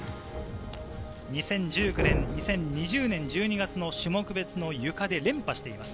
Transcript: ２０１９年、２０２０年１２月の種目別のゆかで連覇しています。